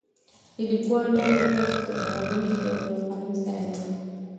د لیکوالو ورځ د هغوی د قلم ستاینه ده.